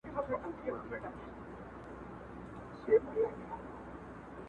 دلته رنګین، رنګین خوبونه لیدل.!